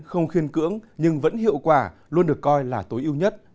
không khiên cưỡng nhưng vẫn hiệu quả luôn được coi là tối ưu nhất